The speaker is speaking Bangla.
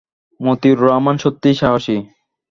মতিউর রহমান সত্যিই সাহসী।